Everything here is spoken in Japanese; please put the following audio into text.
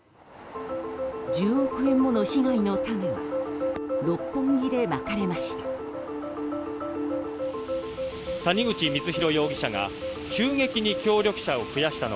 １０億円もの被害の種は六本木でまかれました。